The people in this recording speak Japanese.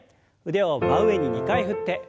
腕を真上に２回振って。